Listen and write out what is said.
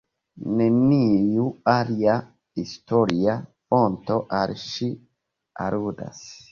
Neniu alia historia fonto al ŝi aludas.